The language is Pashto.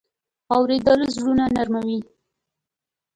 اورېدل زړونه نرمه وي.